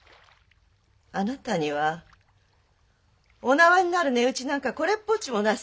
あなたにはお縄になる値打ちなんかこれっぽっちもない。